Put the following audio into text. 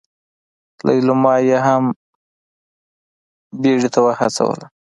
ليلما يې هم بيړې ته وهڅوله.